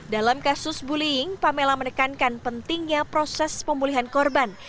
dalam kasus bullying pamela menekankan pentingnya proses pemulihan korban